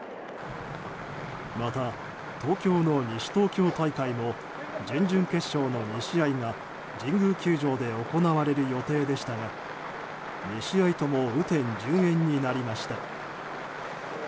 また東京の西東京大会も準々決勝の２試合が神宮球場で行われる予定でしたが２試合とも雨天順延になりました。